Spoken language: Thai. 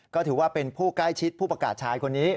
ก็ถือว่าเป็นผู้ใกล้ชิดผู้ประกาศชายคนนี้